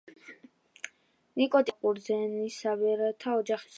ნიკოტინი აღმოჩენილია ძაღლყურძენასებრთა ოჯახის ყველა